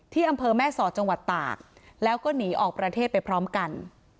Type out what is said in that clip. อำเภอแม่สอดจังหวัดตากแล้วก็หนีออกประเทศไปพร้อมกัน